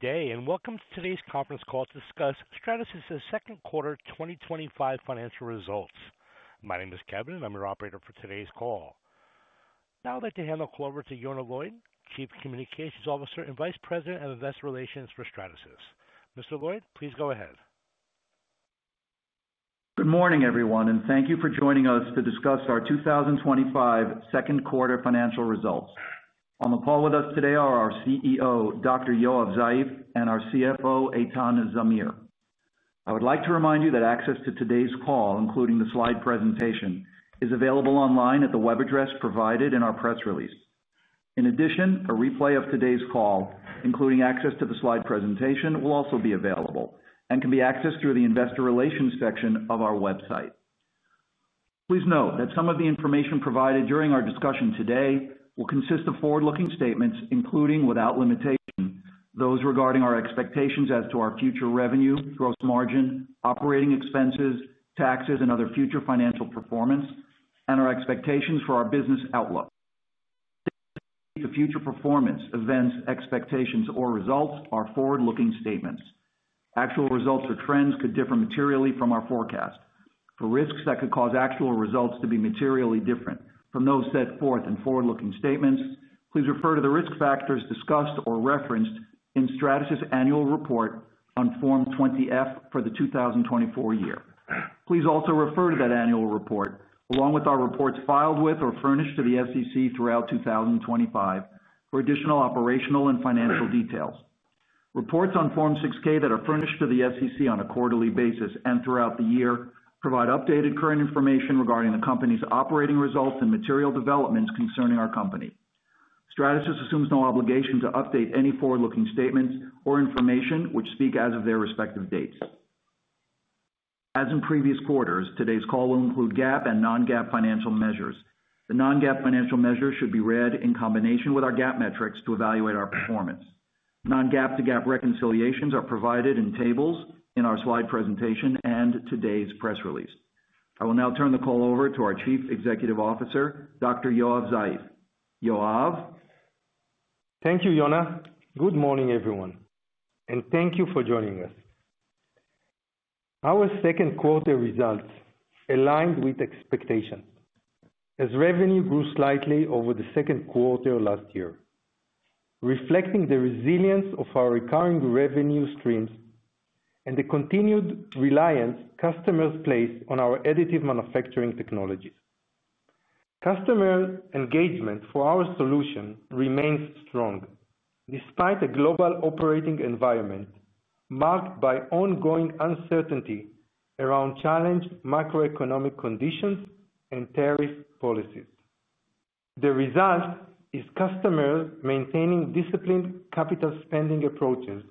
Today, and welcome to today's conference call to discuss Stratasys' Second Quarter 2025 Financial Results. My name is Kevin, and I'm your operator for today's call. Now I'd like to hand the call over to Yonah Lloyd, Chief Communications Officer and Vice President of Investor Relations for Stratasys. Mr. Lloyd, please go ahead. Good morning, everyone, and thank you for joining us to discuss our 2025 Second Quarter Financial Results. On the call with us today are our CEO, Dr. Yoav Zeif, and our CFO, Eitan Zamir. I would like to remind you that access to today's call, including the slide presentation, is available online at the web address provided in our press release. In addition, a replay of today's call, including access to the slide presentation, will also be available and can be accessed through the Investor Relations section of our website. Please note that some of the information provided during our discussion today will consist of forward-looking statements, including without limitation, those regarding our expectations as to our future revenue, gross margin, operating expenses, taxes, and other future financial performance, and our expectations for our business outlook. The future performance, events, expectations, or results are forward-looking statements. Actual results or trends could differ materially from our forecast. For risks that could cause actual results to be materially different from those set forth in forward-looking statements, please refer to the risk factors discussed or referenced in Stratasys' annual report on Form 20-F for the 2024 year. Please also refer to that annual report along with our reports filed with or furnished to the SEC throughout 2025 for additional operational and financial details. Reports on Form 6-K that are furnished to the SEC on a quarterly basis and throughout the year provide updated current information regarding the company's operating results and material developments concerning our company. Stratasys assumes no obligation to update any forward-looking statements or information which speak as of their respective dates. As in previous quarters, today's call will include GAAP and non-GAAP financial measures. The non-GAAP financial measures should be read in combination with our GAAP metrics to evaluate our performance. Non-GAAP to GAAP reconciliations are provided in tables in our slide presentation and today's press release. I will now turn the call over to our Chief Executive Officer, Dr. Yoav Zeif. Yoav? Thank you, Yonah. Good morning, everyone, and thank you for joining us. Our second quarter results aligned with expectations as revenue grew slightly over the second quarter last year, reflecting the resilience of our recurring revenue streams and the continued reliance customers place on our additive manufacturing technologies. Customer engagement for our solution remains strong despite a global operating environment marked by ongoing uncertainty around challenged macroeconomic conditions and tariff policies. The result is customers maintaining disciplined capital spending approaches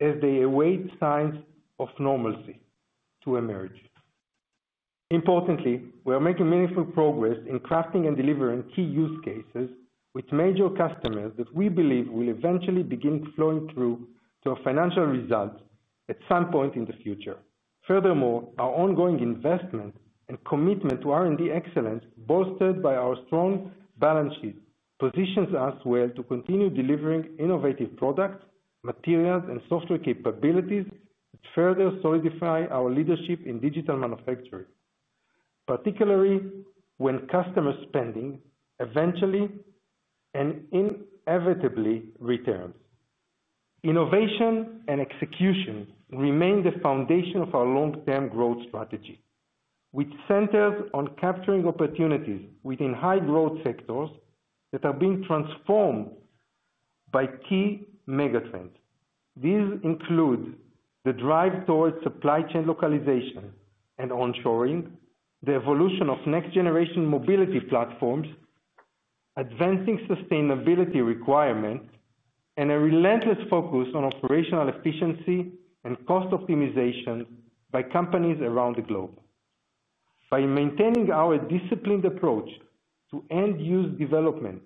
as they await signs of normalcy to emerge. Importantly, we are making meaningful progress in crafting and delivering key use cases with major customers that we believe will eventually begin flowing through to our financial results at some point in the future. Furthermore, our ongoing investment and commitment to R&D excellence, bolstered by our strong balance sheet, positions us well to continue delivering innovative products, materials, and software capabilities that further solidify our leadership in digital manufacturing, particularly when customer spending eventually and inevitably returns. Innovation and execution remain the foundation of our long-term growth strategy, which centers on capturing opportunities within high-growth sectors that are being transformed by key megatrends. These include the drive towards supply chain localization and onshoring, the evolution of next-generation mobility platforms, advancing sustainability requirements, and a relentless focus on operational efficiency and cost optimization by companies around the globe. By maintaining our disciplined approach to end-use development,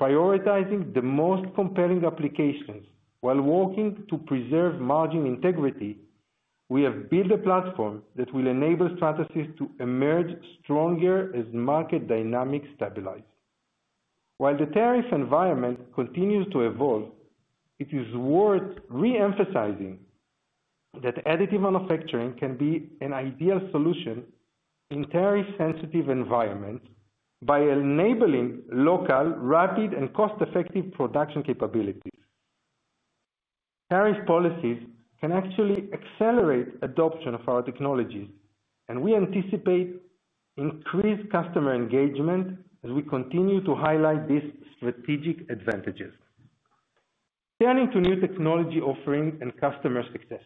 prioritizing the most compelling applications while working to preserve margin integrity, we have built a platform that will enable Stratasys to emerge stronger as market dynamics stabilize. While the tariff environment continues to evolve, it is worth reemphasizing that additive manufacturing can be an ideal solution in a tariff-sensitive environment by enabling local, rapid, and cost-effective production capabilities. Tariff policies can actually accelerate adoption of our technologies, and we anticipate increased customer engagement as we continue to highlight these strategic advantages. Turning to new technology offerings and customer success.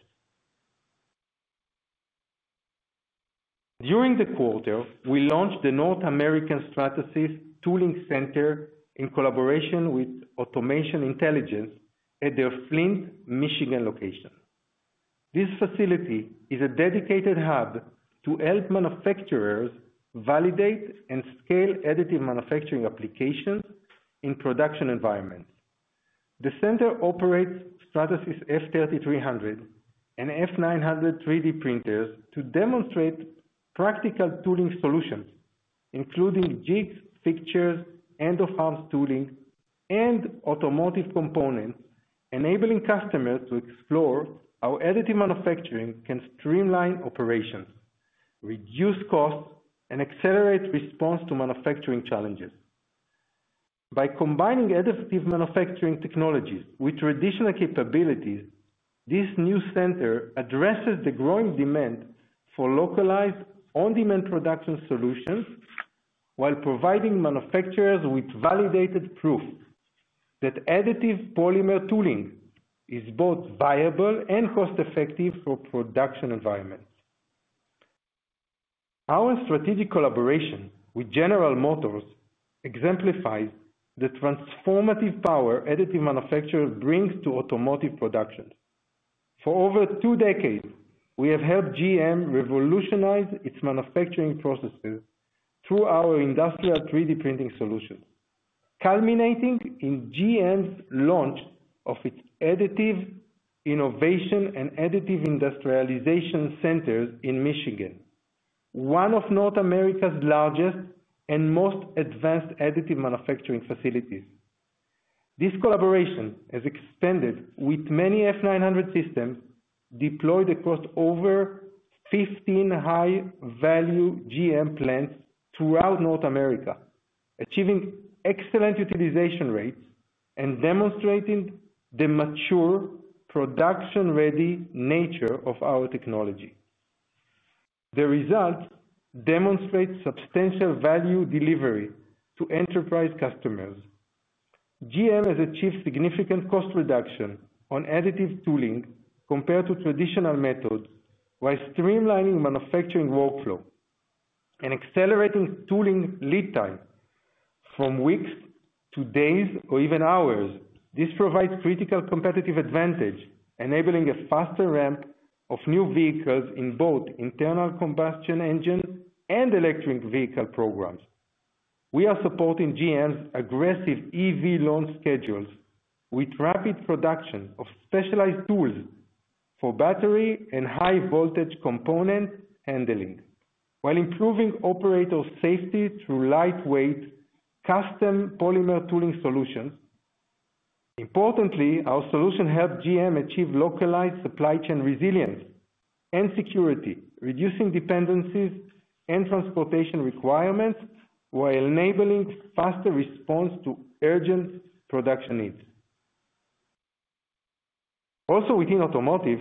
During the quarter, we launched the North American Stratasys Tooling Center in collaboration with Automation Intelligence at their Flint, Michigan location. This facility is a dedicated hub to help manufacturers validate and scale additive manufacturing applications in production environments. The center operates Stratasys F3300 and F900 3D printers to demonstrate practical tooling solutions, including jigs, fixtures, end-of-arms tooling, and automotive components, enabling customers to explore how additive manufacturing can streamline operations, reduce costs, and accelerate response to manufacturing challenges. By combining additive manufacturing technologies with traditional capabilities, this new center addresses the growing demand for localized on-demand production solutions while providing manufacturers with validated proof that additive polymer tooling is both viable and cost-effective for production environments. Our strategic collaboration with General Motors exemplifies the transformative power additive manufacturing brings to automotive production. For over two decades, we have helped GM revolutionize its manufacturing processes through our industrial 3D printing solutions, culminating in GM's launch of its Additive Innovation and Additive Industrialization Center in Michigan, one of North America's largest and most advanced additive manufacturing facilities. This collaboration has extended with many F900 systems deployed across over 15 high-value GM plants throughout North America, achieving excellent utilization rates and demonstrating the mature, production-ready nature of our technology. The results demonstrate substantial value delivery to enterprise customers. GM has achieved significant cost reduction on additive tooling compared to traditional methods while streamlining manufacturing workflow and accelerating tooling lead times from weeks to days or even hours. This provides a critical competitive advantage, enabling a faster ramp of new vehicles in both internal combustion engine and electric vehicle programs. We are supporting GM's aggressive EV launch schedules with rapid production of specialized tools for battery and high-voltage component handling, while improving operator safety through lightweight custom polymer tooling solutions. Importantly, our solution helps GM achieve localized supply chain resilience and security, reducing dependencies and transportation requirements while enabling faster response to urgent production needs. Also within automotive,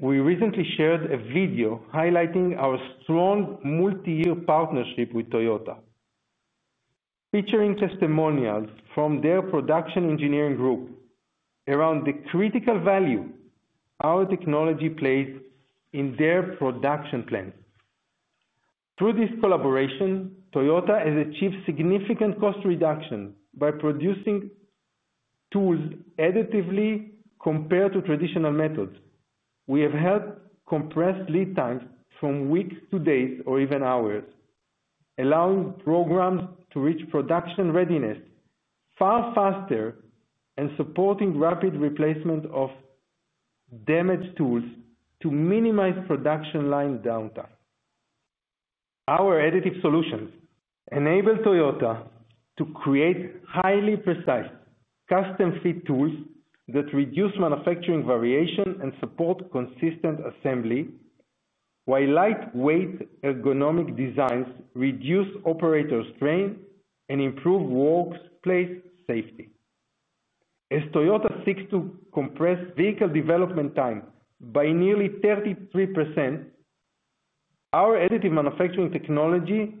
we recently shared a video highlighting our strong multi-year partnership with Toyota, featuring testimonials from their production engineering group around the critical value our technology plays in their production plants. Through this collaboration, Toyota has achieved significant cost reduction by producing tools additively compared to traditional methods. We have helped compress lead times from weeks to days or even hours, allowing programs to reach production readiness far faster and supporting rapid replacement of damaged tools to minimize production line downtime. Our additive solutions enable Toyota to create highly precise custom-fit tools that reduce manufacturing variation and support consistent assembly, while lightweight ergonomic designs reduce operator strain and improve workplace safety. As Toyota seeks to compress vehicle development times by nearly 33%, our additive manufacturing technology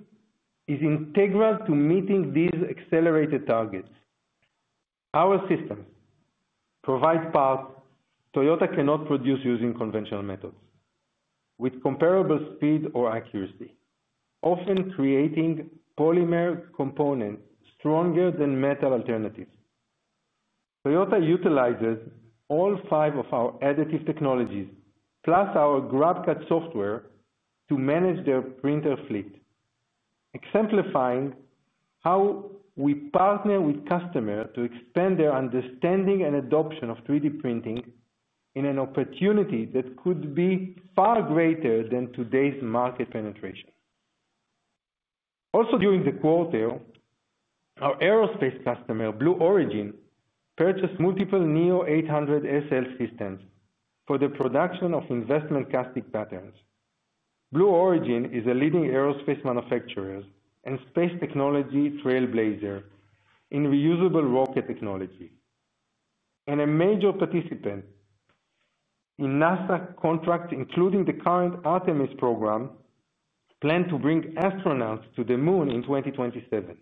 is integral to meeting these accelerated targets. Our systems provide parts Toyota cannot produce using conventional methods with comparable speed or accuracy, often creating polymer components stronger than metal alternatives. Toyota utilizes all five of our additive technologies, plus our GrabCAD software, to manage their printer fleet, exemplifying how we partner with customers to expand their understanding and adoption of 3D printing in an opportunity that could be far greater than today's market penetration. Also during the quarter, our aerospace customer, Blue Origin, purchased multiple NEO 800SL systems for the production of investment casting patterns. Blue Origin is a leading aerospace manufacturer and space technology trailblazer in reusable rocket technology, and a major participant in NASA contracts, including the current Artemis program planned to bring astronauts to the moon in 2027.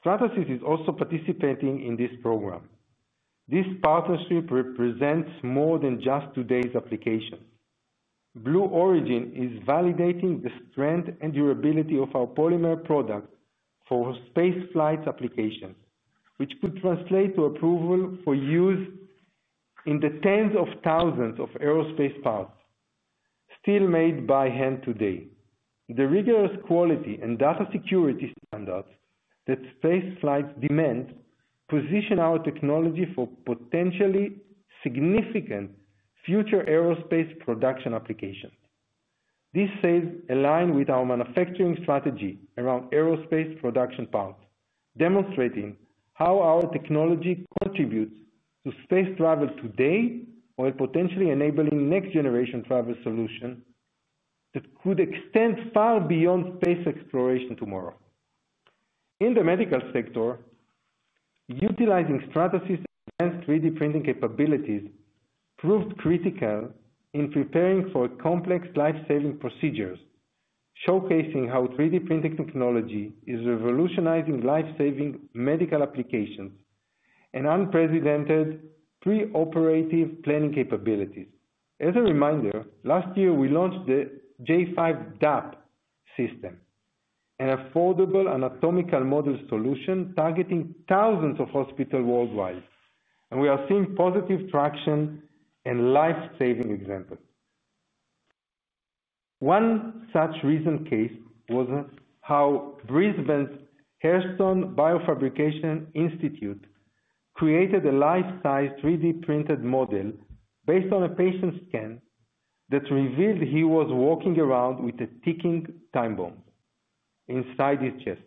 Stratasys is also participating in this program. This partnership represents more than just today's application. Blue Origin is validating the strength and durability of our polymer product for space flight applications, which could translate to approval for use in the tens of thousands of aerospace parts still made by hand today. The rigorous quality and data security standards that space flights demand position our technology for potentially significant future aerospace production applications. These sales align with our manufacturing strategy around aerospace production parts, demonstrating how our technology contributes to space travel today while potentially enabling next-generation travel solutions that could extend far beyond space exploration tomorrow. In the medical sector, utilizing Stratasys' advanced 3D printing capabilities proved critical in preparing for complex lifesaving procedures, showcasing how 3D printing technology is revolutionizing lifesaving medical applications and unprecedented preoperative planning capabilities. As a reminder, last year we launched the J5 DAP system, an affordable anatomical model solution targeting thousands of hospitals worldwide, and we are seeing positive traction and lifesaving examples. One such recent case was how Brisbane's Herston Biofabrication Institute created a life-size 3D printed model based on a patient's scan that revealed he was walking around with a ticking time bomb inside his chest.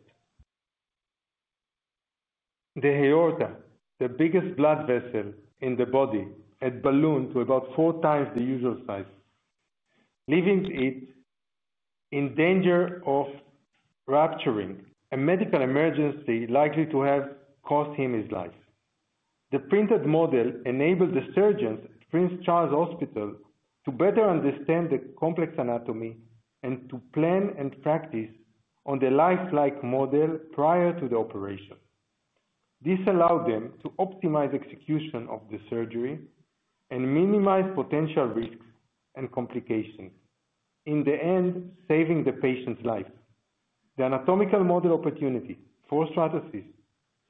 The aorta, the biggest blood vessel in the body, had ballooned to about 4x the usual size, leaving it in danger of rupturing, a medical emergency likely to have cost him his life. The printed model enabled the surgeons at Prince Charles Hospital to better understand the complex anatomy and to plan and practice on the life-like model prior to the operation. This allowed them to optimize the execution of the surgery and minimize potential risks and complications, in the end saving the patient's life. The anatomical model opportunity for Stratasys,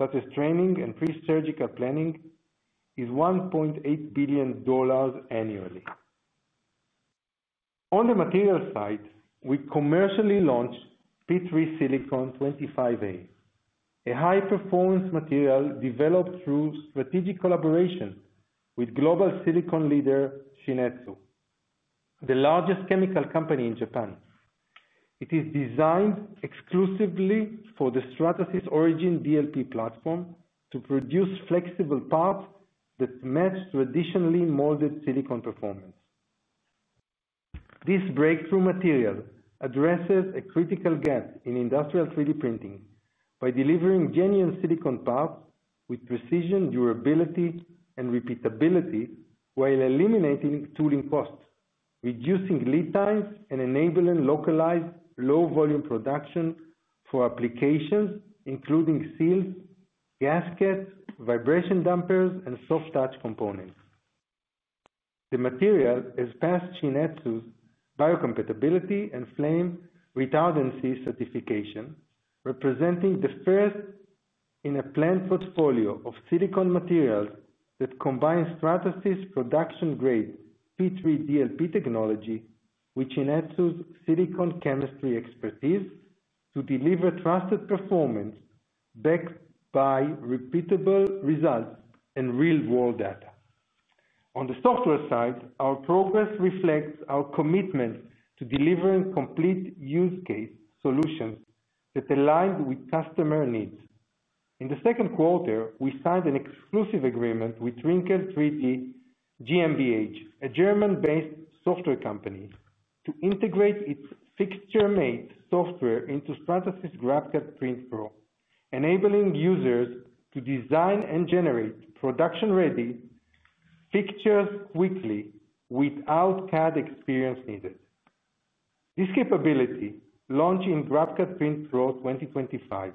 such as training and presurgical planning, is $1.8 billion annually. On the material side, we commercially launched P3 Silicon 25A, a high-performance material developed through strategic collaboration with global silicon leader Shinetsu, the largest chemical company in Japan. It is designed exclusively for the Stratasys Origin DLP platform to produce flexible parts that match traditionally molded silicon performance. This breakthrough material addresses a critical gap in industrial 3D printing by delivering genuine silicon parts with precision, durability, and repeatability while eliminating tooling costs, reducing lead times, and enabling localized low-volume production for applications including seals, gaskets, vibration dampers, and soft-touch components. The material has passed Shinetsu's biocompatibility and flame retardancy certification, representing the first in a planned portfolio of silicon materials that combine Stratasys' production-grade P3 DLP technology with Shinetsu's silicon chemistry expertise to deliver trusted performance backed by repeatable results and real-world data. On the software side, our progress reflects our commitment to delivering complete use case solutions that align with customer needs. In the second quarter, we signed an exclusive agreement with Trinkl 3D GmbH, a German-based software company, to integrate its fixture-made software into Stratasys GrabCAD Print Pro, enabling users to design and generate production-ready fixtures quickly without CAD experience needed. This capability, launched in GrabCAD Print Pro 2025,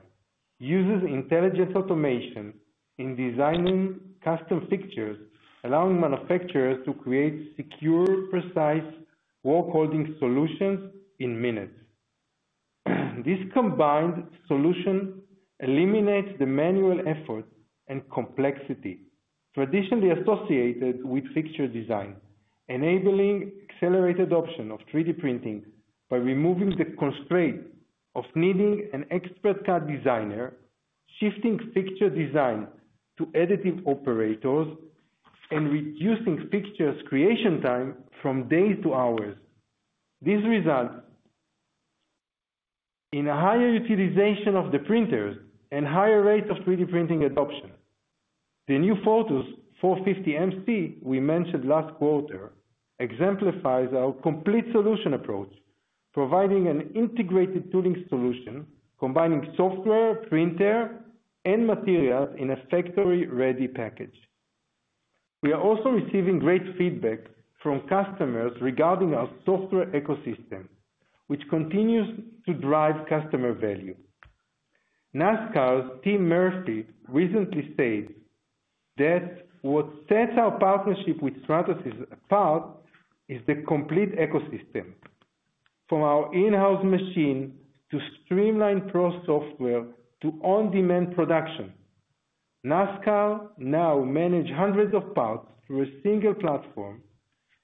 uses intelligent automation in designing custom fixtures, allowing manufacturers to create secure, precise workholding solutions in minutes. This combined solution eliminates the manual effort and complexity traditionally associated with fixture design, enabling accelerated adoption of 3D printing by removing the constraint of needing an expert CAD designer, shifting fixture design to additive operators, and reducing fixtures' creation time from days to hours. This results in a higher utilization of the printers and a higher rate of 3D printing adoption. The new Fortus 450mc we mentioned last quarter exemplifies our complete solution approach, providing an integrated tooling solution combining software, printer, and materials in a factory-ready package. We are also receiving great feedback from customers regarding our software ecosystem, which continues to drive customer value. NASCAR's Tim Murphy recently said, "That's what sets our partnership with Stratasys apart is the complete ecosystem. From our in-house machine to streamlined cross-software to on-demand production, NASCAR now manages hundreds of parts through a single platform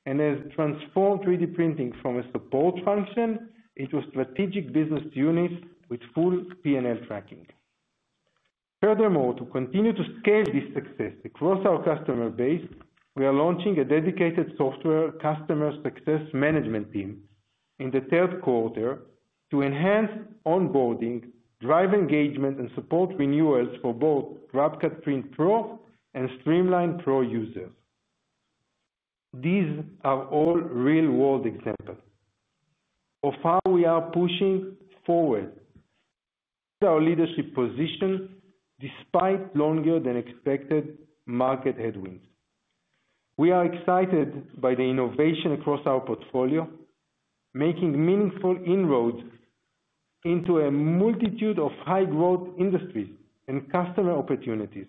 and has transformed 3D printing from a support function into a strategic business unit with full P&L tracking." Furthermore, to continue to scale this success across our customer base, we are launching a dedicated software customer success management team in the third quarter to enhance onboarding, drive engagement, and support renewals for both GrabCAD Print Pro and Streamline Pro users. These are all real-world examples of how we are pushing forward with our leadership position despite longer-than-expected market headwinds. We are excited by the innovation across our portfolio, making meaningful inroads into a multitude of high-growth industries and customer opportunities.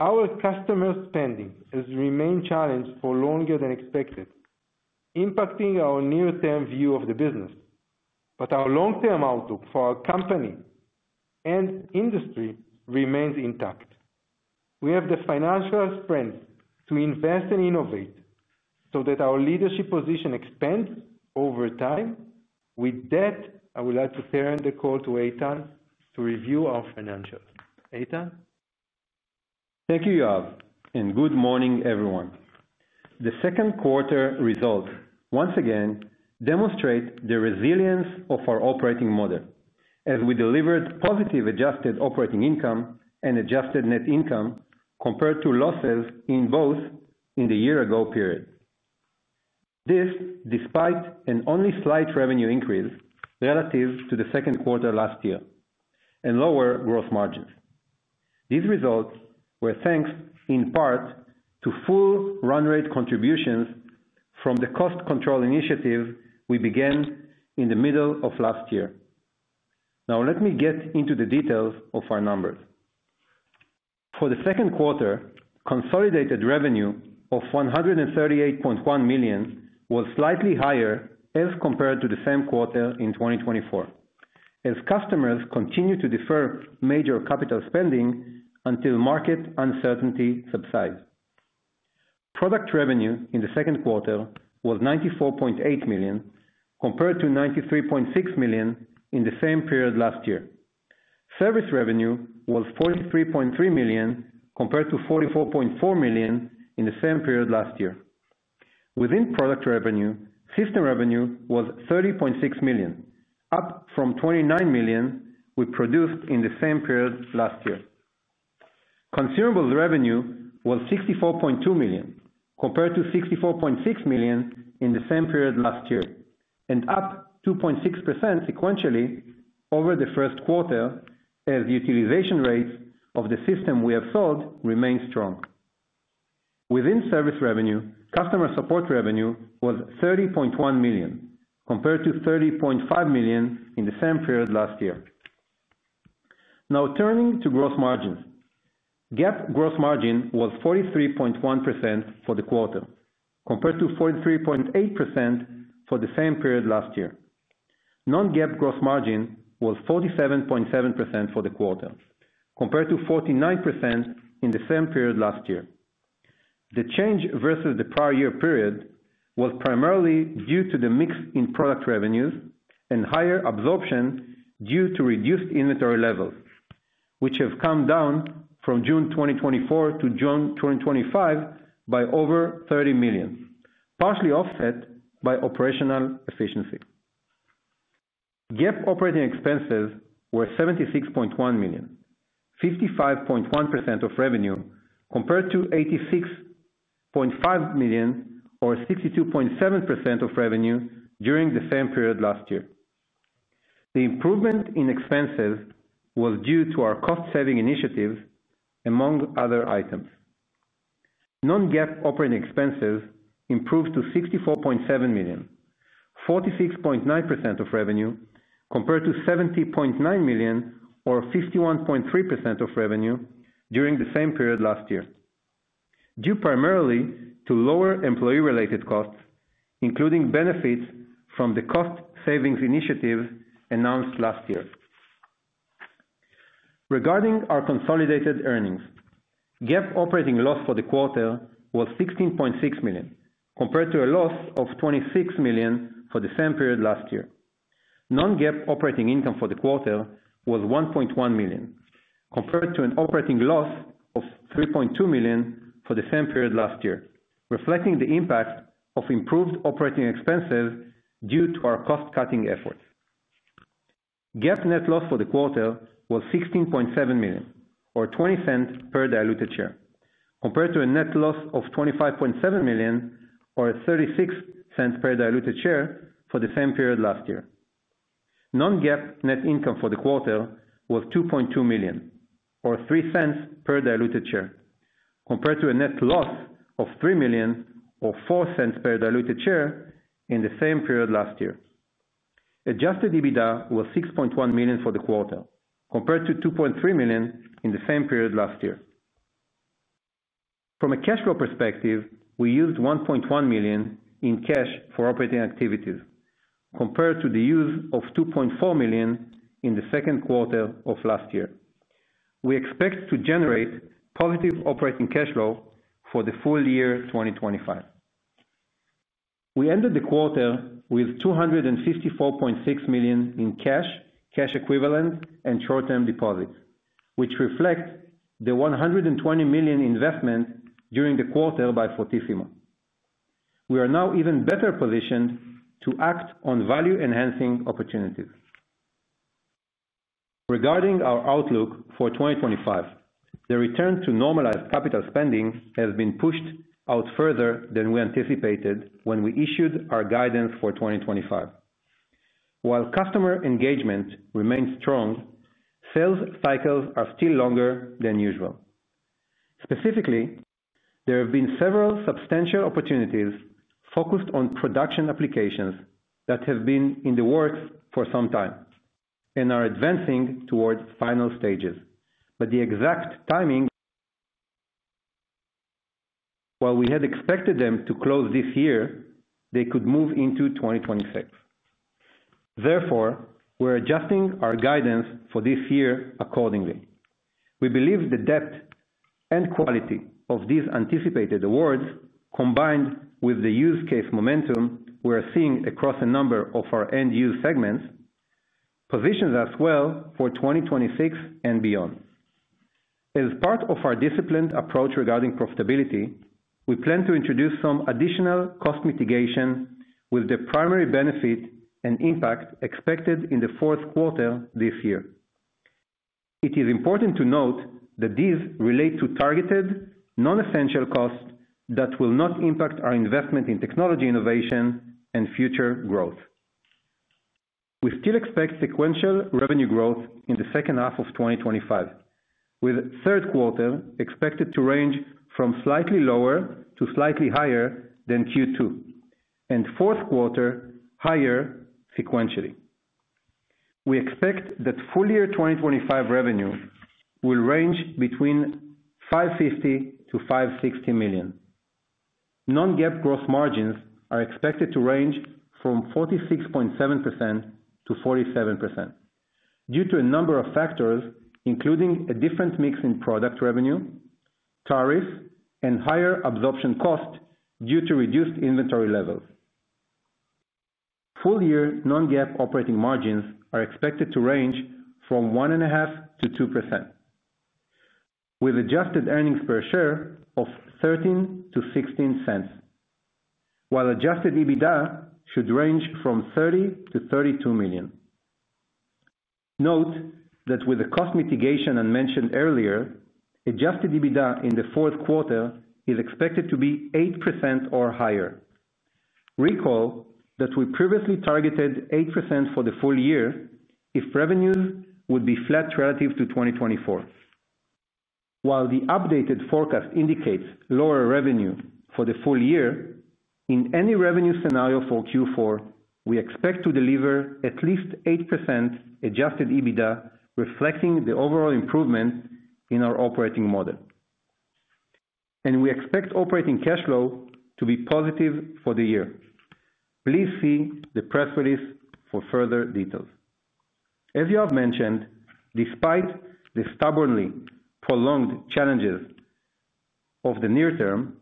Our customer spending has remained challenged for longer than expected, impacting our near-term view of the business, but our long-term outlook for our company and industry remains intact. We have the financial strength to invest and innovate so that our leadership position expands over time. With that, I would like to turn the call to Eitan to review our financials. Eitan? Thank you, Yoav, and good morning, everyone. The second quarter results once again demonstrate the resilience of our operating model as we delivered positive adjusted operating income and adjusted net income compared to losses in both in the year-ago period. This despite an only slight revenue increase relative to the second quarter last year and lower gross margins. These results were thanks in part to full run-rate contributions from the cost control initiative we began in the middle of last year. Now, let me get into the details of our numbers. For the second quarter, consolidated revenue of $138.1 million was slightly higher as compared to the same quarter in 2024, as customers continue to defer major capital spending until market uncertainty subsides. Product revenue in the second quarter was $94.8 million compared to $93.6 million in the same period last year. Service revenue was $43.3 million compared to $44.4 million in the same period last year. Within product revenue, system revenue was $30.6 million, up from $29 million we produced in the same period last year. Consumables revenue was $64.2 million compared to $64.6 million in the same period last year, and up 2.6% sequentially over the first quarter as the utilization rates of the system we have sold remain strong. Within service revenue, customer support revenue was $30.1 million compared to $30.5 million in the same period last year. Now, turning to gross margins, GAAP gross margin was 43.1% for the quarter compared to 43.8% for the same period last year. Non-GAAP gross margin was 47.7% for the quarter compared to 49% in the same period last year. The change versus the prior year period was primarily due to the mix in product revenues and higher absorption due to reduced inventory levels, which have come down from June 2024 to June 2025 by over $30 million, partially offset by operational efficiency. GAAP operating expenses were $76.1 million, 55.1% of revenue compared to $86.5 million or 62.7% of revenue during the same period last year. The improvement in expenses was due to our cost-saving initiatives, among other items. Non-GAAP operating expenses improved to $64.7 million, 46.9% of revenue compared to $70.9 million or 51.3% of revenue during the same period last year, due primarily to lower employee-related costs, including benefits from the cost-savings initiative announced last year. Regarding our consolidated earnings, GAAP operating loss for the quarter was $16.6 million compared to a loss of $26 million for the same period last year. Non-GAAP operating income for the quarter was $1.1 million compared to an operating loss of $3.2 million for the same period last year, reflecting the impact of improved operating expenses due to our cost-cutting effort. GAAP net loss for the quarter was $16.7 million or $0.20 per diluted share compared to a net loss of $25.7 million or $0.36 per diluted share for the same period last year. Non-GAAP net income for the quarter was $2.2 million or $0.03 per diluted share compared to a net loss of $3 million or $0.04 per diluted share in the same period last year. Adjusted EBITDA was $6.1 million for the quarter compared to $2.3 million in the same period last year. From a cash flow perspective, we used $1.1 million in cash for operating activities compared to the use of $2.4 million in the second quarter of last year. We expect to generate positive operating cash flow for the full year 2025. We ended the quarter with $254.6 million in cash, cash equivalents, and short-term deposits, which reflects the $120 million investment during the quarter by Fortissimo. We are now even better positioned to act on value-enhancing opportunities. Regarding our outlook for 2025, the return to normalized capital spending has been pushed out further than we anticipated when we issued our guidance for 2025. While customer engagement remains strong, sales cycles are still longer than usual. Specifically, there have been several substantial opportunities focused on production applications that have been in the works for some time and are advancing towards final stages. The exact timing, while we had expected them to close this year, could move into 2026. Therefore, we're adjusting our guidance for this year accordingly. We believe the depth and quality of these anticipated awards, combined with the use case momentum we are seeing across a number of our end-use segments, positions us well for 2026 and beyond. As part of our disciplined approach regarding profitability, we plan to introduce some additional cost mitigation with the primary benefit and impact expected in the fourth quarter this year. It is important to note that these relate to targeted non-essential costs that will not impact our investment in technology innovation and future growth. We still expect sequential revenue growth in the second half of 2025, with the third quarter expected to range from slightly lower to slightly higher than Q2, and the fourth quarter higher sequentially. We expect that full-year 2025 revenue will range between $550 million-$560 million. Non-GAAP gross margins are expected to range from 46.7%-47% due to a number of factors, including a different mix in product revenue, tariffs, and higher absorption costs due to reduced inventory levels. Full-year non-GAAP operating margins are expected to range from 1.5%-2%, with adjusted earnings per share of $0.13-$0.16, while adjusted EBITDA should range from $30 million-$32 million. Note that with the cost mitigation I mentioned earlier, adjusted EBITDA in the fourth quarter is expected to be 8% or higher. Recall that we previously targeted 8% for the full year if revenues would be flat relative to 2024. While the updated forecast indicates lower revenue for the full year, in any revenue scenario for Q4, we expect to deliver at least 8% adjusted EBITDA, reflecting the overall improvements in our operating model. We expect operating cash flow to be positive for the year. Please see the press release for further details. As you have mentioned, despite the stubbornly prolonged challenges of the near term,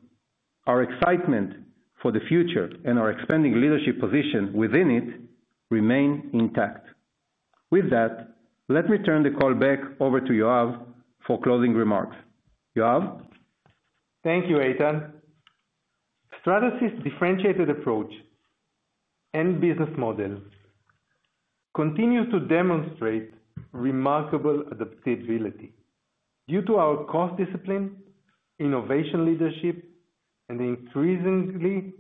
our excitement for the future and our expanding leadership position within it remain intact. With that, let me turn the call back over to Yoav for closing remarks. Yoav? Thank you, Eitan. Stratasys' differentiated approach and business model continue to demonstrate remarkable adaptability due to our cost discipline, innovation leadership, and the increasingly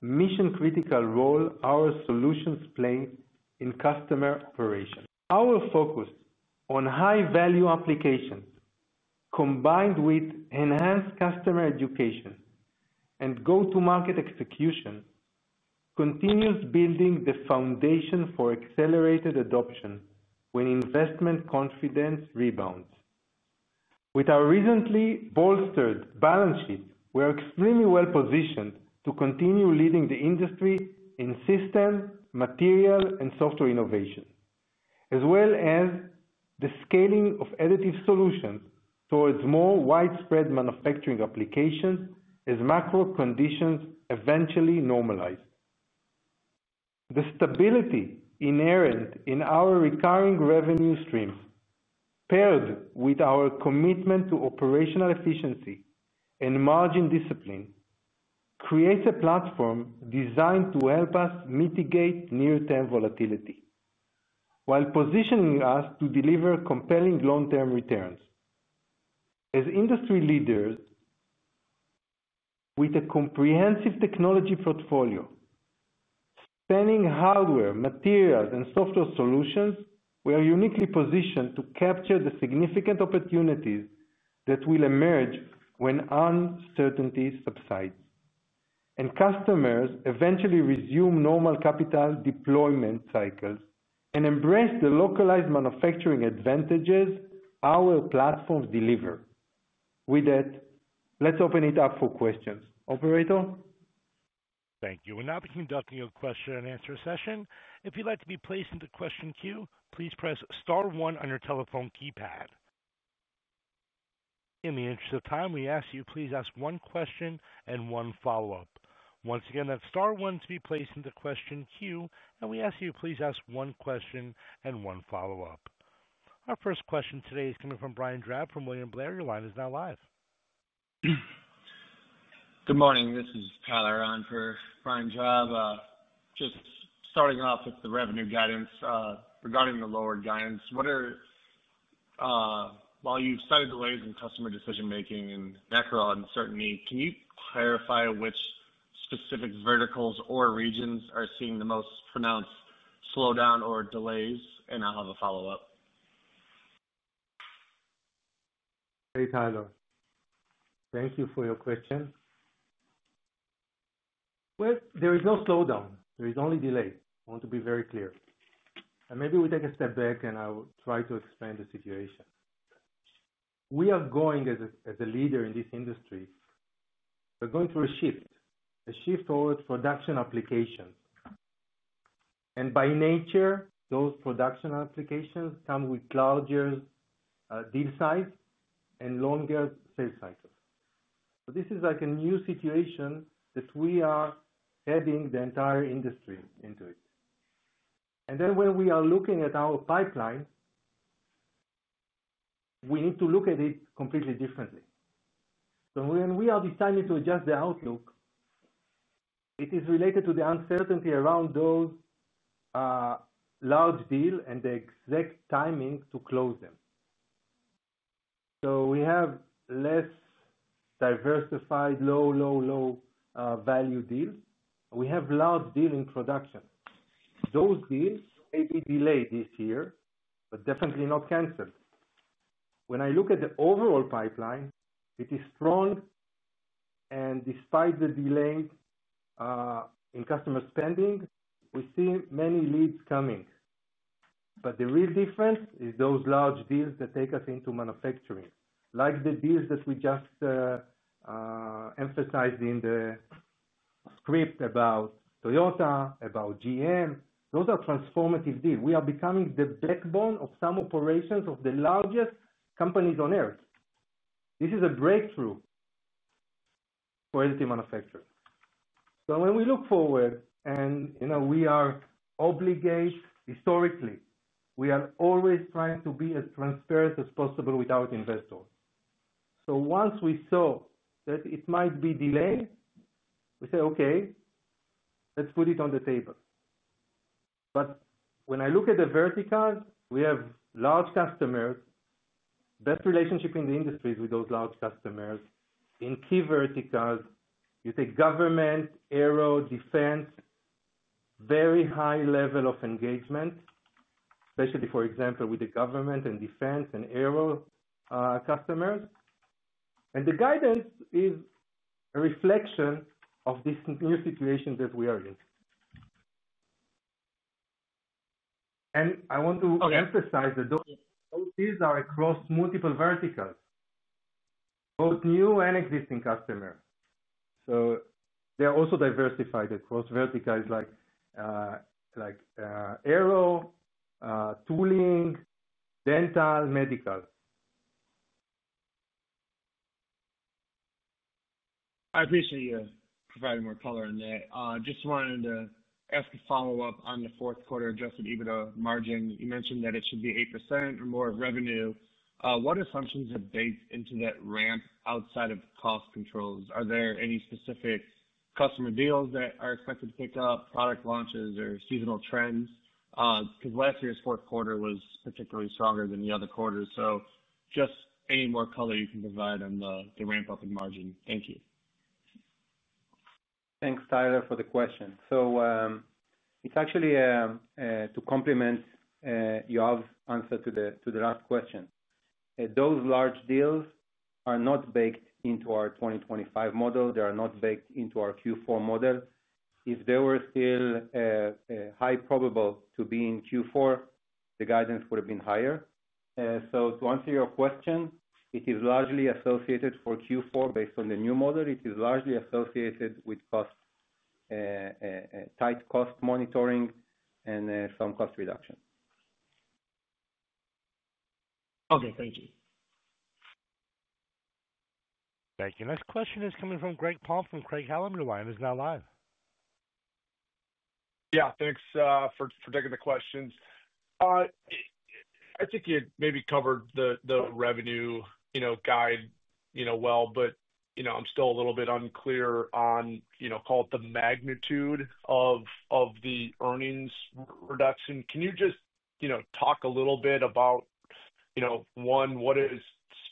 mission-critical role our solutions play in customer operations. Our focus on high-value applications, combined with enhanced customer education and go-to-market execution, continues to build the foundation for accelerated adoption when investment confidence rebounds. With our recently bolstered balance sheet, we are extremely well-positioned to continue leading the industry in system, material, and software innovation, as well as the scaling of additive solutions towards more widespread manufacturing applications as macro conditions eventually normalize. The stability inherent in our recurring revenue streams, paired with our commitment to operational efficiency and margin discipline, creates a platform designed to help us mitigate near-term volatility while positioning us to deliver compelling long-term returns. As industry leaders with a comprehensive technology portfolio spanning hardware, materials, and software solutions, we are uniquely positioned to capture the significant opportunities that will emerge when uncertainty subsides and customers eventually resume normal capital deployment cycles and embrace the localized manufacturing advantages our platforms deliver. With that, let's open it up for questions. Operator? Thank you. We're now conducting a question-and-answer session. If you'd like to be placed in the question queue, please press star one on your telephone keypad. In the interest of time, we ask you to please ask one question and one follow-up. Once again, that's star one to be placed in the question queue, and we ask you to please ask one question and one follow-up. Our first question today is coming from Brian Drab from William Blair. Your line is now live. Good morning. This is Tyler on for Brian Drab. Just starting off with the revenue guidance regarding the lower guidance, while you've cited delays in customer decision-making and macro uncertainty, can you clarify which specific verticals or regions are seeing the most pronounced slowdown or delays? I have a follow-up. Hey, Tyler. Thank you for your question. There is no slowdown. There is only delay. I want to be very clear. Maybe we take a step back, and I'll try to explain the situation. We are going as a leader in this industry. We're going through a shift, a shift towards production applications. By nature, those production applications come with larger deal size and longer sales cycles. This is like a new situation that we are heading the entire industry into. When we are looking at our pipeline, we need to look at it completely differently. When we are deciding to adjust the outlook, it is related to the uncertainty around those large deals and the exact timing to close them. We have less diversified low, low, low-value deals. We have large deals in production. Those deals may be delayed this year, but definitely not canceled. When I look at the overall pipeline, it is strong. Despite the delay in customer spending, we see many leads coming. The real difference is those large deals that take us into manufacturing, like the deals that we just emphasized in the script about Toyota, about GM. Those are transformative deals. We are becoming the backbone of some operations of the largest companies on Earth. This is a breakthrough for additive manufacturing. When we look forward, and you know we are obligated historically, we are always trying to be as transparent as possible with our investors. Once we saw that it might be delayed, we say, "Okay, let's put it on the table." When I look at the verticals, we have large customers, best relationships in the industry with those large customers.In key verticals, you take government, aero defense, very high level of engagement, especially, for example, with the government and defense and aero customers. The guidance is a reflection of this new situation that we are in. I want to emphasize that those deals are across multiple verticals, both new and existing customers. They're also diversified across verticals like aero, tooling, dental, medical. I appreciate you providing more color in that. I just wanted to ask a follow-up on the fourth quarter adjusted EBITDA margin. You mentioned that it should be 8% or more of revenue. What assumptions have baked into that ramp outside of cost controls? Are there any specific customer deals that are expected to pick up, product launches, or seasonal trends? Last year's fourth quarter was particularly stronger than the other quarters. Just any more color you can provide on the ramp-up in margin. Thank you. Thanks, Tyler, for the question. It's actually to complement Yoav's answer to the last question. Those large deals are not baked into our 2025 model. They are not baked into our Q4 model. If they were still high probability to be in Q4, the guidance would have been higher. To answer your question, it is largely associated for Q4 based on the new model. It is largely associated with tight cost monitoring and some cost reduction. Okay, thank you. Thank you. Next question is coming from Greg Palm from Craig-Hallum. Your line is now live. Yeah, thanks for taking the questions. I think you had maybe covered the revenue guide well, but you know I'm still a little bit unclear on, you know, call it the magnitude of the earnings reduction. Can you just talk a little bit about, you know, one, what is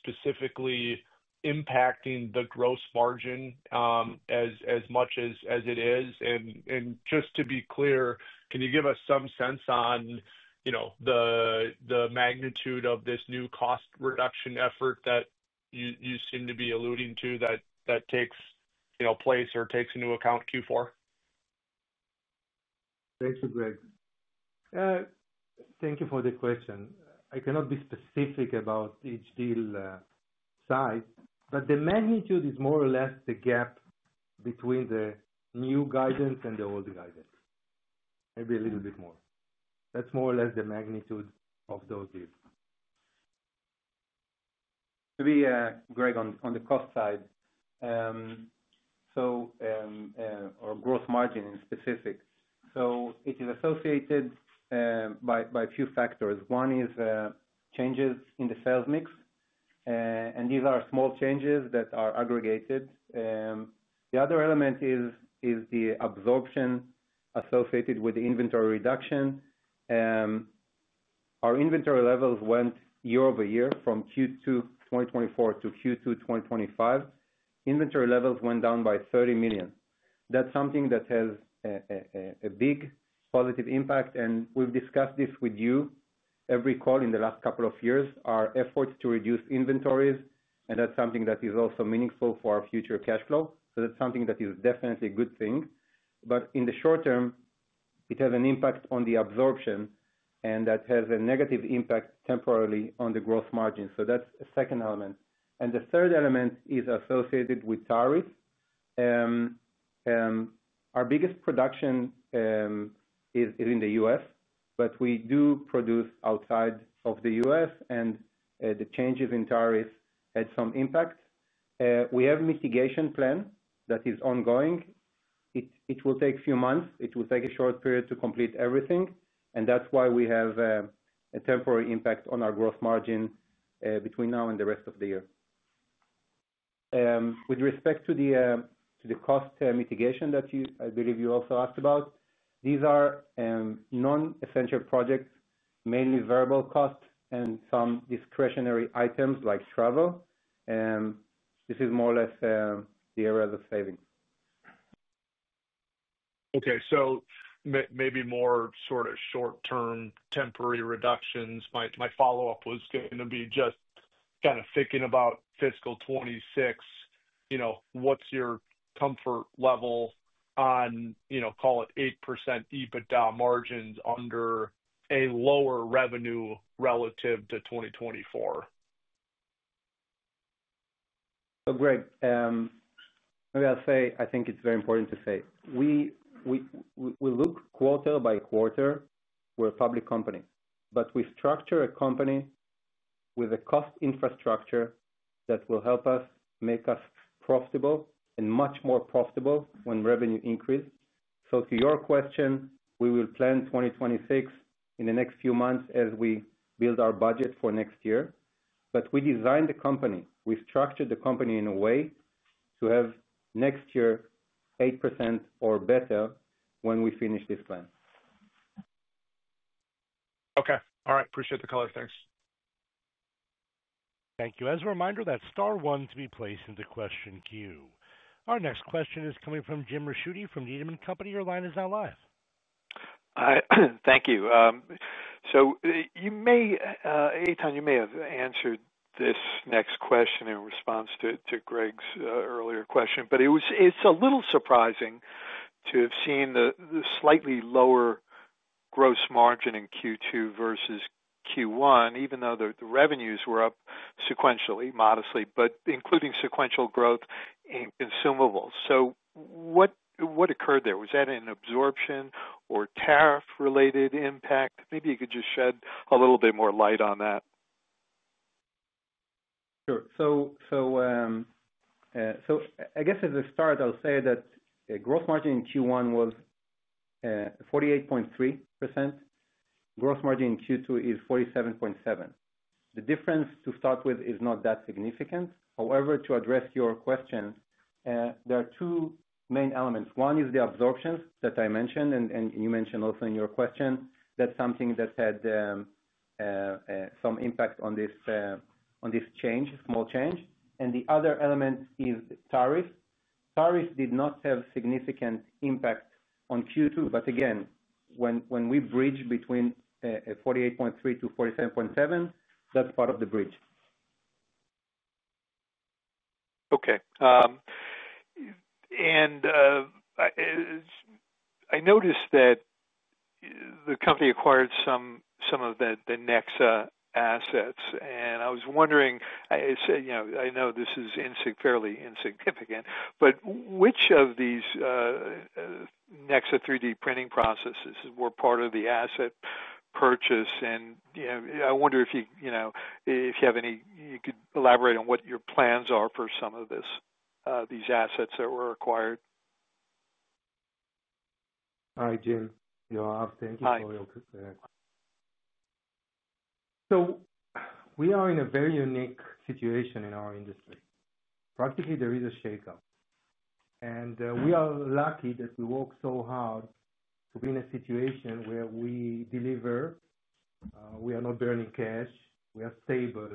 specifically impacting the gross margin as much as it is? Just to be clear, can you give us some sense on, you know, the magnitude of this new cost reduction effort that you seem to be alluding to that takes place or takes into account Q4? Thank you, Greg. Thank you for the question. I cannot be specific about each deal size, but the magnitude is more or less the gap between the new guidance and the old guidance, maybe a little bit more. That's more or less the magnitude of those deals. Greg, on the cost side, our gross margin in specific is associated by a few factors. One is changes in the sales mix, and these are small changes that are aggregated. The other element is the absorption associated with the inventory reduction. Our inventory levels went year-over-year from Q2 2024 to Q2 2025. Inventory levels went down by $30 million. That's something that has a big positive impact. We've discussed this with you every call in the last couple of years, our efforts to reduce inventories, and that's something that is also meaningful for our future cash flow. That's definitely a good thing. In the short term, it has an impact on the absorption, and that has a negative impact temporarily on the gross margins. That's a second element. The third element is associated with tariffs. Our biggest production is in the U.S., but we do produce outside of the U.S., and the changes in tariffs had some impact. We have a mitigation plan that is ongoing. It will take a few months. It will take a short period to complete everything. That's why we have a temporary impact on our gross margin between now and the rest of the year. With respect to the cost mitigation that you, I believe you also asked about, these are non-essential projects, mainly variable cost and some discretionary items like travel. This is more or less the area of saving. Okay, so maybe more sort of short-term temporary reductions. My follow-up was going to be just kind of thinking about fiscal 2026. You know, what's your comfort level on, you know, call it 8% EBITDA margins under a lower revenue relative to 2024? Oh, Greg, maybe I'll say I think it's very important to say we look quarter by quarter. We're a public company, but we structure a company with a cost infrastructure that will help us make us profitable and much more profitable when revenue increases. To your question, we will plan 2026 in the next few months as we build our budget for next year. We designed the company. We structured the company in a way to have next year 8% or better when we finish this plan. Okay. All right. Appreciate the color. Thanks. Thank you. As a reminder, that's star one to be placed in the question queue. Our next question is coming from James Ricchiuti from Needham & Company. Your line is now live. Thank you. Eitan, you may have answered this next question in response to Greg's earlier question, but it's a little surprising to have seen the slightly lower gross margin in Q2 versus Q1, even though the revenues were up sequentially, modestly, but including sequential growth in consumables. What occurred there? Was that an absorption or tariff-related impact? Maybe you could just shed a little bit more light on that. Sure. At the start, I'll say that the gross margin in Q1 was 48.3%. Gross margin in Q2 is 47.7%. The difference to start with is not that significant. However, to address your question, there are two main elements. One is the absorptions that I mentioned, and you mentioned also in your question, that's something that had some impact on this change, a small change. The other element is the tariffs. Tariffs did not have a significant impact on Q2. Again, when we bridge between 48.3%-47.7%, that's part of the bridge. Okay. I noticed that the company acquired some of the Nexa assets, and I was wondering, you know, I know this is fairly insignificant, but which of these Nexa 3D printing processes were part of the asset purchase? I wonder if you have any, you could elaborate on what your plans are for some of these assets that were acquired. All right, Jim, Yoav, thank you for your... We are in a very unique situation in our industry. Practically, there is a shake-up. We are lucky that we work so hard to be in a situation where we deliver. We are not burning cash. We are stable.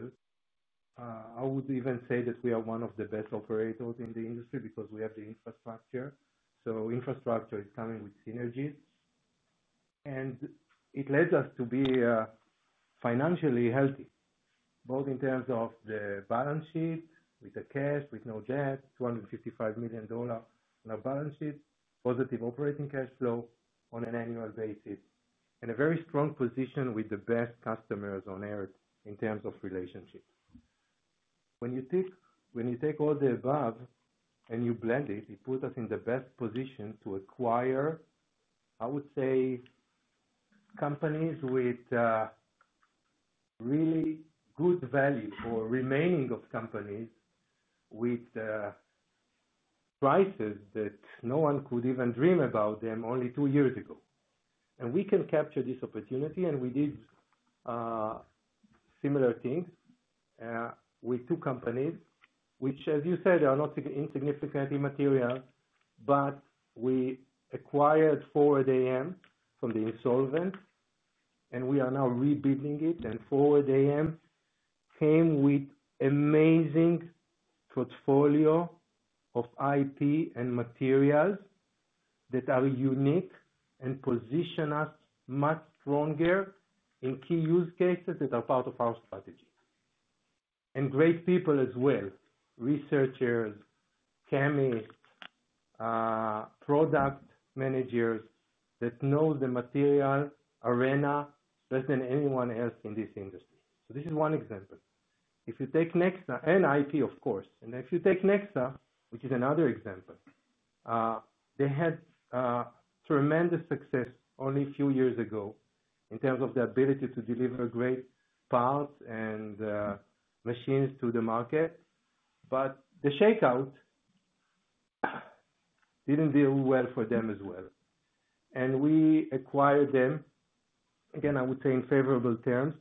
I would even say that we are one of the best operators in the industry because we have the infrastructure. Infrastructure is coming with synergy, and it led us to be financially healthy, both in terms of the balance sheet with the cash, with no debt, $255 million on our balance sheet, positive operating cash flow on an annual basis, and a very strong position with the best customers on Earth in terms of relationships. When you take all the above and you blend it, it puts us in the best position to acquire, I would say, companies with really good value or remaining companies with prices that no one could even dream about only two years ago. We can capture this opportunity, and we did similar things with two companies, which, as you said, are not insignificant in material, but we acquired Ford AM from the insolvent, and we are now rebuilding it. Ford AM came with an amazing portfolio of IP and materials that are unique and position us much stronger in key use cases that are part of our strategy, and great people as well, researchers, chemists, product managers that know the material arena better than anyone else in this industry. This is one example. If you take Nexa, and IP, of course, and if you take Nexa, which is another example, they had tremendous success only a few years ago in terms of the ability to deliver great parts and machines to the market. The shake-out didn't do well for them as well. We acquired them, again, I would say, in favorable terms.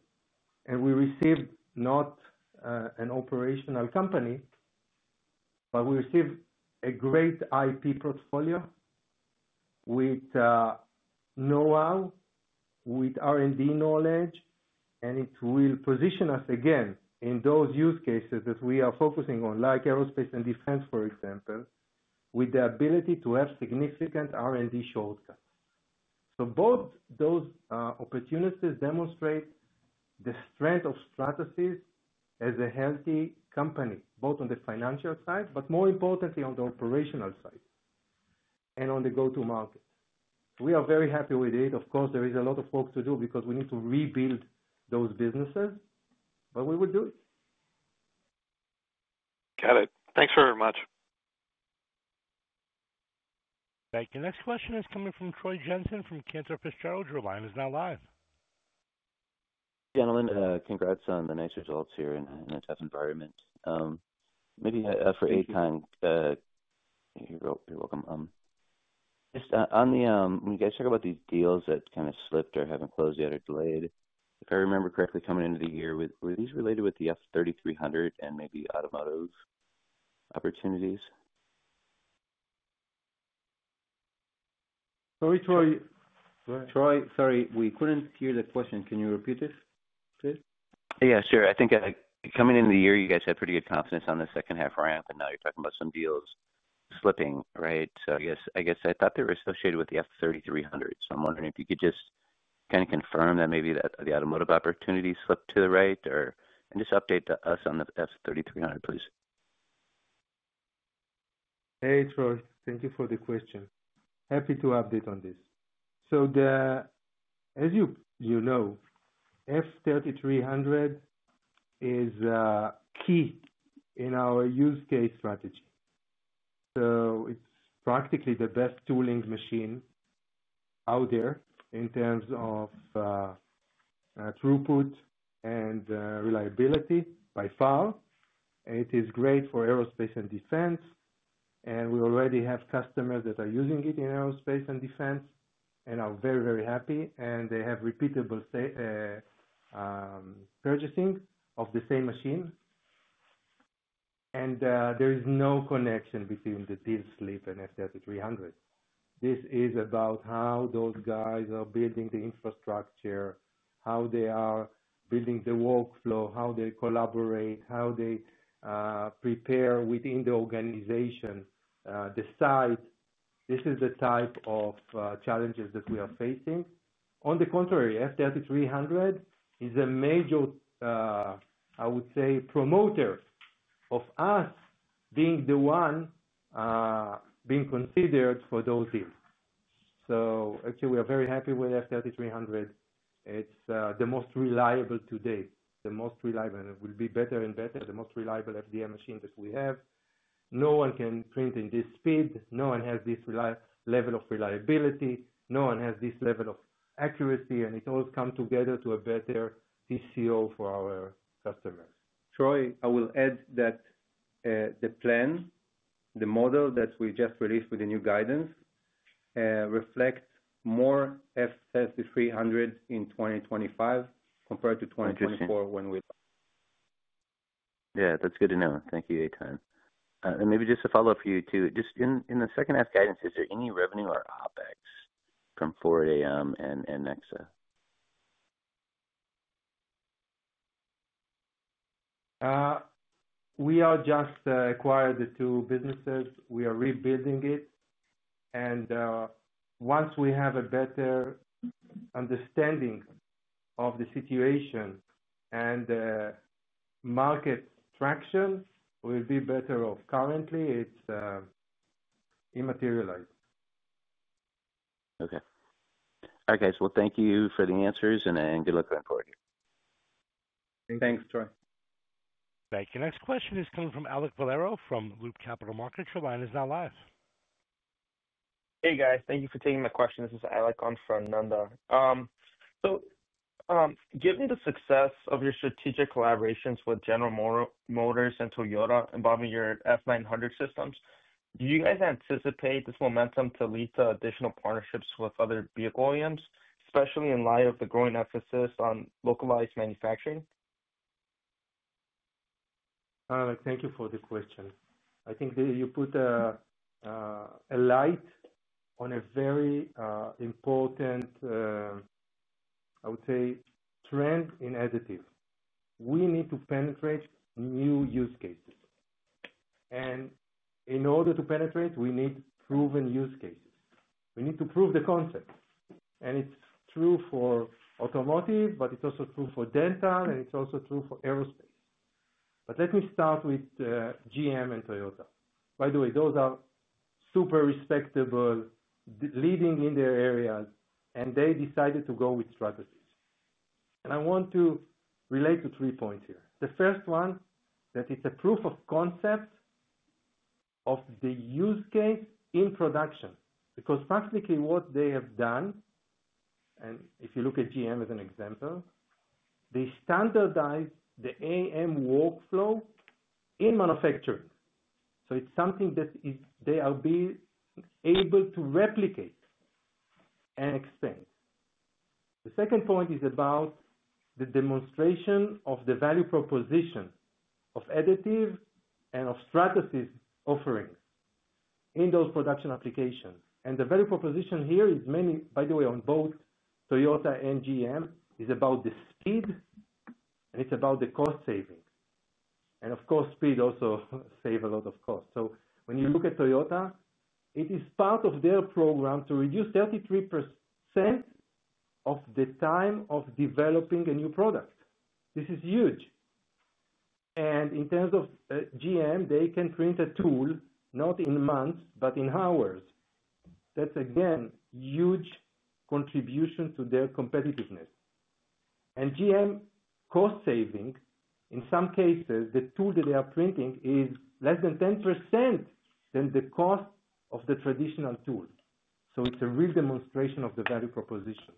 We received not an operational company, but we received a great IP portfolio with know-how, with R&D knowledge, and it will position us again in those use cases that we are focusing on, like aerospace and defense, for example, with the ability to have significant R&D shortcuts. Both those opportunities demonstrate the strength of Stratasys as a healthy company, both on the financial side, but more importantly, on the operational side and on the go-to-market. We are very happy with it. Of course, there is a lot of work to do because we need to rebuild those businesses, but we will do it. Got it. Thanks very much. Thank you. Next question is coming from Troy Jensen from Cantor Fitzgerald. Your line is now live. Gentlemen, congrats on the nice results here in a tough environment. Maybe for Eitan, you're welcome. Just on the, when you guys talk about these deals that kind of slipped or haven't closed yet or delayed, if I remember correctly, coming into the year, were these related with the F3300 and maybe automotive opportunities? Sorry, Troy. Sorry. Sorry, we couldn't hear the question. Can you repeat it, please? Yeah, sure. I think coming into the year, you guys had pretty good confidence on the second half ramp, and now you're talking about some deals slipping, right? I guess I thought they were associated with the F3300. I'm wondering if you could just kind of confirm that maybe the automotive opportunities slipped to the right or just update us on the F3300, please. Hey, Troy, thank you for the question. Happy to update on this. As you know, F3300 is key in our use case strategy. It is practically the best tooling machine out there in terms of throughput and reliability by far. It is great for aerospace and defense, and we already have customers that are using it in aerospace and defense and are very, very happy, and they have repeatable purchasing of the same machine. There is no connection between the deal slip and F3300. This is about how those guys are building the infrastructure, how they are building the workflow, how they collaborate, how they prepare within the organization, the site. This is the type of challenges that we are facing. On the contrary, F3300 is a major, I would say, promoter of us being the one being considered for those deals. Actually, we are very happy with F3300. It's the most reliable today, the most reliable, and it will be better and better, the most reliable FDM machine that we have. No one can print in this speed. No one has this level of reliability. No one has this level of accuracy, and it all comes together to a better TCO for our customers. Troy, I will add that the plan, the model that we just released with the new guidance reflects more F3300s in 2025 compared to 2024 when we launched. Yeah, that's good to know. Thank you, Eitan. Maybe just a follow-up for you too. In the second half guidance, is there any revenue or OpEx from Fortisimo Capital and Nexa? We have just acquired the two businesses. We are rebuilding it. Once we have a better understanding of the situation and the market traction, we'll be better off. Currently, it's immaterialized. Okay. All right, guys. Thank you for the answers and good luck going forward here. Thanks, Troy. Thank you. Next question is coming from Alek Valero from Loop Capital Markets. Your line is now live. Hey, guys. Thank you for taking my question. This is Alek Valero on from Nandar. Given the success of your strategic collaborations with General Motors and Toyota involving your F900 systems, do you guys anticipate this momentum to lead to additional partnerships with other vehicle OEMs, especially in light of the growing emphasis on localized manufacturing? Alek, thank you for the question. I think you put a light on a very important, I would say, trend in additive. We need to penetrate new use cases. In order to penetrate, we need proven use cases. We need to prove the concept. It's true for automotive, but it's also true for dental, and it's also true for aerospace. Let me start with GM and Toyota. By the way, those are super respectable, leading in their areas, and they decided to go with Stratasys. I want to relate to three points here. The first one, that it's a proof of concept of the use case in production. Because practically what they have done, and if you look at GM as an example, they standardize the AM workflow in manufacturing. It's something that they are able to replicate and extend. The second point is about the demonstration of the value proposition of additive and of Stratasys offerings in those production applications. The value proposition here is many, by the way, on both Toyota and GM, is about the speed, and it's about the cost saving. Of course, speed also saves a lot of cost. When you look at Toyota, it is part of their program to reduce 33% of the time of developing a new product. This is huge. In terms of GM, they can print a tool not in months, but in hours. That's, again, a huge contribution to their competitiveness. GM's cost saving, in some cases, the tool that they are printing is less than 10% than the cost of the traditional tool. It's a real demonstration of the value proposition.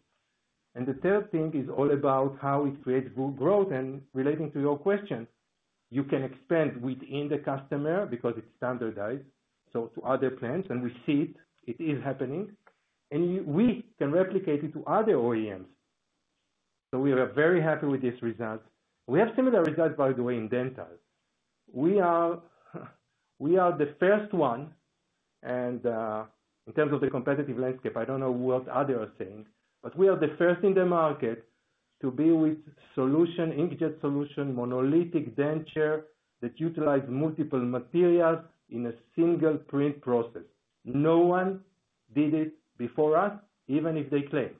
The third thing is all about how it creates growth. Relating to your question, you can expand within the customer because it's standardized, so to other plants, and we see it. It is happening. We can replicate it to other OEMs. We are very happy with this result. We have similar results, by the way, in dental. We are the first one, and in terms of the competitive landscape, I don't know what others are saying, but we are the first in the market to be with solution-inged solution monolithic denture that utilizes multiple materials in a single print process. No one did it before us, even if they claim.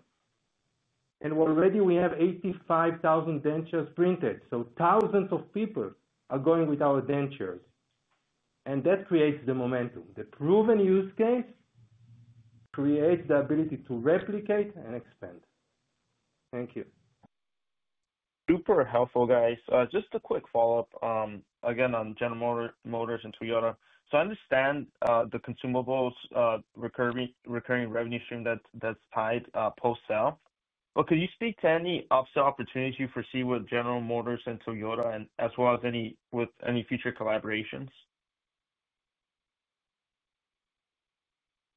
Already we have 85,000 dentures printed. Thousands of people are going with our dentures. That creates the momentum. The proven use case creates the ability to replicate and expand. Thank you. Super helpful, guys. Just a quick follow-up, again, on General Motors and Toyota. I understand the consumables recurring revenue stream that's tied post-sale. Could you speak to any upsell opportunities you foresee with General Motors and Toyota, as well as any with any future collaborations?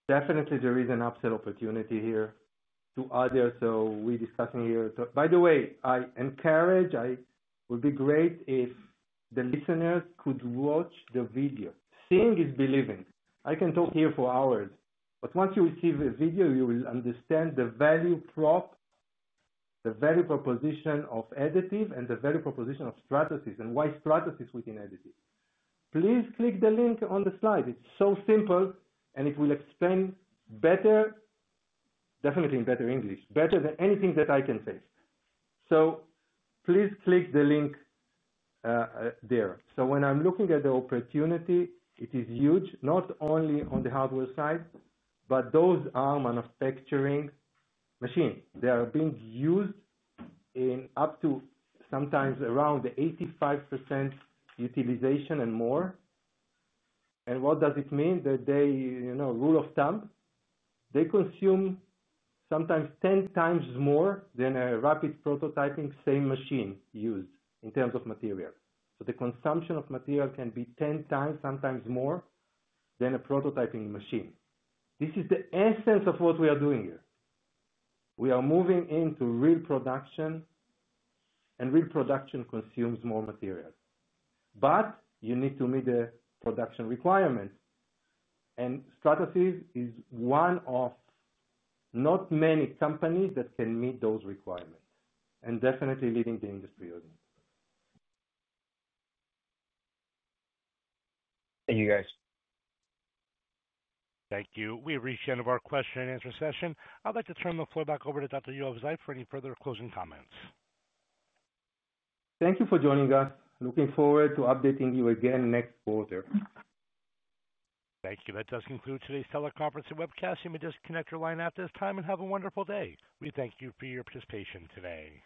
Definitely, there is an upsell opportunity here to others as we discussed earlier. By the way, I encourage, it would be great if the listeners could watch the video. Seeing is believing. I can talk here for hours, but once you receive a video, you will understand the value prop, the value proposition of additive, and the value proposition of Stratasys, and why Stratasys within additive. Please click the link on the slide. It's so simple, and it will explain better, definitely in better English, better than anything that I can say. Please click the link there. When I'm looking at the opportunity, it is huge, not only on the hardware side, but those are manufacturing machines. They are being used in up to sometimes around the 85% utilization and more. What does it mean? The rule of thumb, they consume sometimes 10x more than a rapid prototyping same machine used in terms of material. The consumption of material can be 10x, sometimes more than a prototyping machine. This is the essence of what we are doing here. We are moving into real production, and real production consumes more material. You need to meet the production requirements. Stratasys is one of not many companies that can meet those requirements and definitely leading the industry again. Thank you, guys. Thank you. We've reached the end of our question-and-answer session. I'd like to turn my floor back over to Dr. Yoav Zeif for any further closing comments. Thank you for joining us. Looking forward to updating you again next quarter. Thank you. That does conclude today's teleconference and webcast. You may disconnect your line at this time and have a wonderful day. We thank you for your participation today.